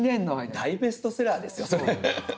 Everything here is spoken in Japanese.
大ベストセラーですよ。